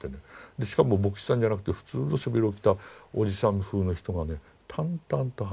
でしかも牧師さんじゃなくて普通の背広を着たおじさんふうの人がね淡々と話してる。